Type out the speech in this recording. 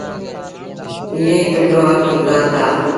ايئين پنڊرو وکت گزآرتآ۔